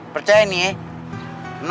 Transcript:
percaya nih ya